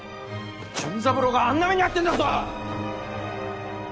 純三郎があんな目に遭ってんだぞ！